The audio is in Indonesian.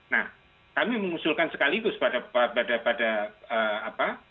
nah kami mengusulkan sekaligus pada pada pada apa